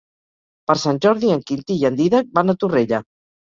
Per Sant Jordi en Quintí i en Dídac van a Torrella.